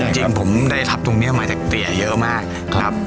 จริงผมได้รับตรงนี้มาจากเตี๋ยเยอะมากครับ